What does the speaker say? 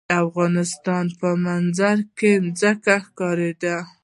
د افغانستان په منظره کې ځمکه ښکاره ده.